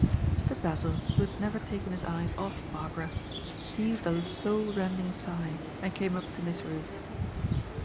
Mr. Basil, who had never taken his eyes off Barbara, heaved a soul rending sigh, and came up to Miss Ruth.